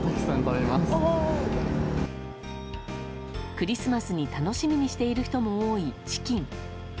クリスマスに楽しみにしている人も多いチキン。